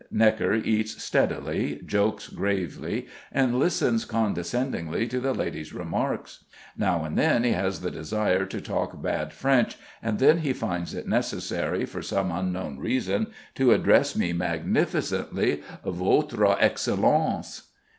Gnekker eats steadily, jokes gravely, and listens condescendingly to the ladies' remarks. Now and then he has the desire to talk bad French, and then he finds it necessary for some unknown reason to address me magnificently, "Votre Excellence."